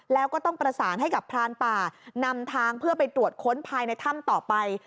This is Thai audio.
แล้วก็ต้องประสานให้กับพรานป่านำทางเพื่อไปตรวจค้นภายในถ้ำต่อไป